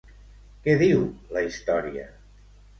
Què diu la història?